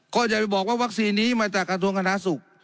ก็อย่าไปบอกว่าวัคซีนนี้มาจากกระทรวงคณะสุข